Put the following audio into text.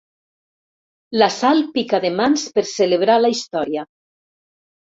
La Sal pica de mans per celebrar la història.